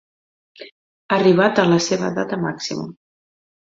Arribat a la seva data màxima.